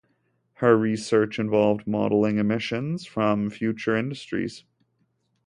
Her research involved modelling the emissions from future industries.